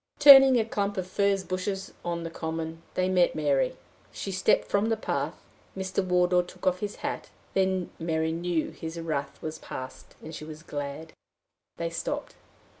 Turning a clump of furze bushes on the common, they met Mary. She stepped from the path. Mr. Wardour took off his hat. Then Mary knew that his wrath was past, and she was glad. They stopped.